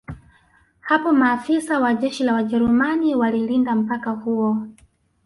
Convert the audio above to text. Hapo maafisa wa jeshi la Wajerumani walilinda mpaka huo